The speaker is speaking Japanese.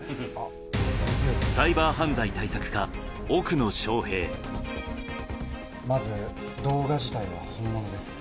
サイバー犯罪対策課、まず動画自体は本物ですね。